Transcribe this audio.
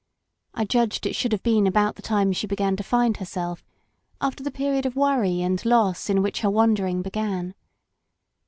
I judged it should have been about the time she began to find herself, after the period of worry and loss in which her wandering began.